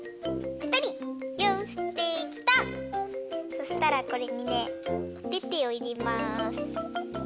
そしたらこれにねおててをいれます。